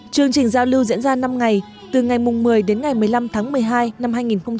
chương trình giao lưu diễn ra năm ngày từ ngày một mươi đến ngày một mươi năm tháng một mươi hai năm hai nghìn một mươi chín